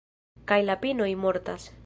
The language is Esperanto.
Kaj la pinoj mortas.